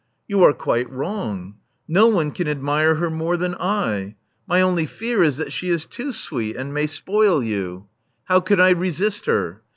You are quite wrong. No one can admire her more than L My only fear is that she is too sweet, and may spoil you. How could I resist her?